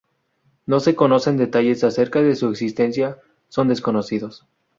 No se conocen detalles acerca de su existencia son desconocidos.